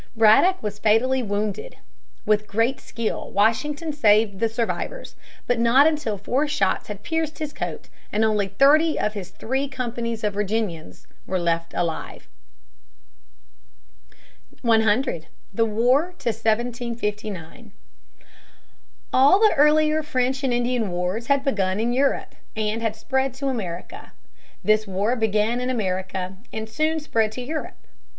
Braddock was fatally wounded. With great skill, Washington saved the survivors, but not until four shots had pierced his coat and only thirty of his three companies of Virginians were left alive. [Sidenote: The French and Indian War.] [Sidenote: William Pitt, war minister, 1757.] 100. The War to 1759. All the earlier French and Indian wars had begun in Europe and had spread to America. This war began in America and soon spread to Europe.